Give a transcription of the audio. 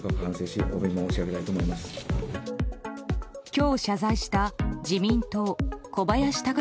今日謝罪した、自民党小林貴虎